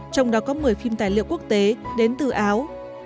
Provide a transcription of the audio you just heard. trong đó có một mươi phim tài liệu quốc tế đến từ áo